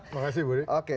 terima kasih budi